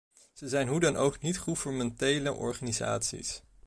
Ze zijn hoe dan ook niet-gouvernementele organisaties.